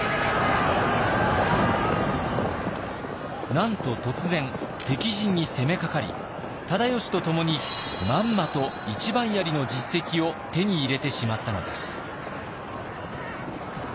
なんと突然敵陣に攻めかかり忠吉とともにまんまと一番槍の実績を手に入れてしまったのです。